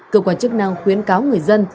cơ quan chức năng khuyến cáo người dân